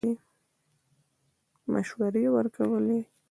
مشورې ورکولې.